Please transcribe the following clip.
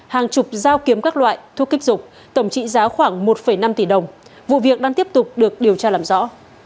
hàng chục dao kiếm các loại thuốc kích dục tổng trị giá khoảng một năm tỷ đồng vụ việc đang tiếp tục được điều tra làm rõ